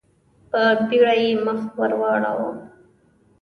په بېړه يې مخ ور واړاوه.